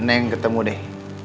neng ketemu deh